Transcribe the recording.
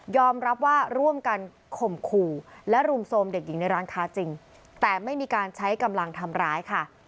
รับว่าร่วมกันข่มขู่และรุมโทรมเด็กหญิงในร้านค้าจริงแต่ไม่มีการใช้กำลังทำร้ายค่ะ